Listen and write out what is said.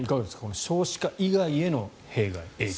少子化以外のへの弊害。